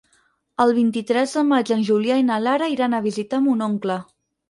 El vint-i-tres de maig en Julià i na Lara iran a visitar mon oncle.